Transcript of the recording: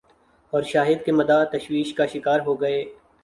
اور شاہد کے مداح تشویش کا شکار ہوگئے۔